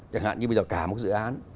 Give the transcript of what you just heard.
chẳng hạn như bây giờ cả một dự án